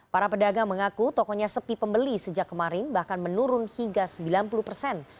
para pedagang mengaku tokonya sepi pembeli sejak kemarin bahkan menurun hingga sembilan puluh persen